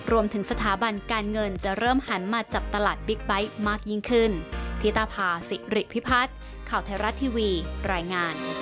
รวมถึงสถาบันการเงินจะเริ่มหันมาจับตลาดบิ๊กไบท์มากยิ่งขึ้น